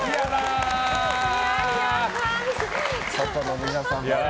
外の皆さんもね。